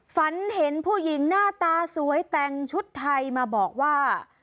ฝันเห็นผู้หญิงหน้าตาสวยแต่งชุดไทยมาบอกว่า